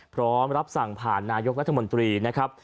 พร้อมรับสั่งผ่านนายกรัฐมนตรีนะครับ